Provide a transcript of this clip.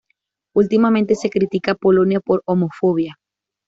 Últimamente se critica a Polonia por homofobia.